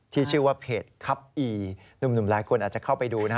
ที่ชื่อว่าเพจคับอีหนุ่มหลายคนอาจจะเข้าไปดูนะฮะ